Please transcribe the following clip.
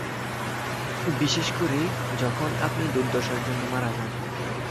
বিশেষ করে যখন আপনি দুর্দশার জন্য মারা যান।